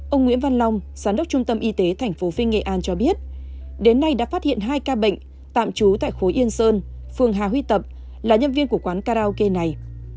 ông nguyễn văn long giám đốc trung tâm y tế tp vinh nghệ an cho biết đến nay đã phát hiện hai ca bệnh tạm trú tại khối yên sơn phường hà huy tập là nhân viên của quán karaoke này